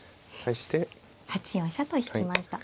８四飛車と引きました。